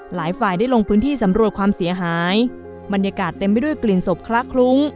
หลายฝ่ายได้ลงพื้นที่สำรวจความเสียหายบรรยากาศเต็มไปด้วยกลิ่นศพคละคลุ้ง